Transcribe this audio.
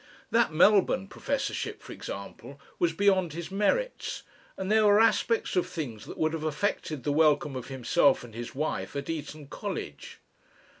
That Melbourne professorship, for example, was beyond his merits, and there were aspects of things that would have affected the welcome of himself and his wife at Eton College.